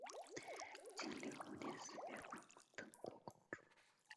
庆历五年四月封邓国公主。